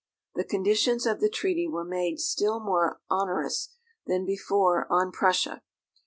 The conditions of the treaty were made still more onerous than before on Prussia.